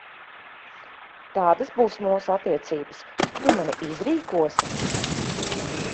Tādas būs mūsu attiecības, tu mani izrīkosi?